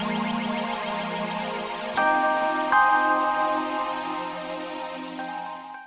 orang itu ada di sekitar berapi